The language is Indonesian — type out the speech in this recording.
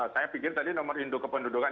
saya pikir tadi nomor induk kependudukan